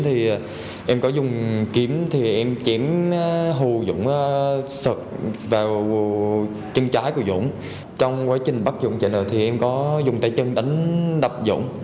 thì em có dùng kiếm thì em chém hù dũng sợt vào chân trái của dũng trong quá trình bắt dũng chạy đầu thì em có dùng tay chân đánh đập dũng